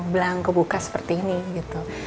belang kebuka seperti ini gitu